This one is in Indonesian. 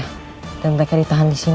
dan para teen tainkan ditahan disini